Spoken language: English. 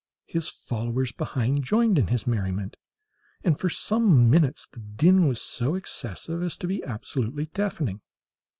His followers behind joined in his merriment, and for some minutes the din was so excessive as to be absolutely deafening.